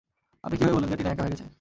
আপনি কীভাবে বললেন যে, টিনা একা হয়ে গেছে?